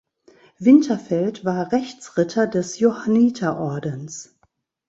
Winterfeldt war Rechtsritter des Johanniterordens.